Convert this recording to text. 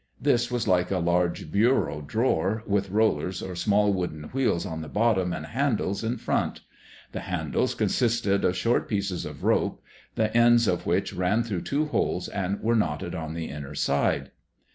This was like a large bureau drawer, with rollers or small wooden wheels on the bottom and handles in front. The handles consisted of short pieces of rope, the ends of which ran through two holes and were knotted on the inner side.